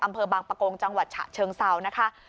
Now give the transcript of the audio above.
อำเภอบางปะโกงจังหวัดฉะเชิงเซานะคะ